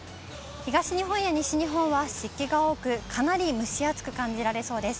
東日本や西日本は湿気が多く、かなり蒸し暑く感じられそうです。